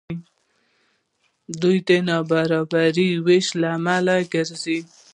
دوی د نابرابره وېش لامل ګرځي.